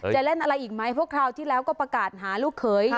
เล่นอะไรอีกไหมเพราะคราวที่แล้วก็ประกาศหาลูกเขย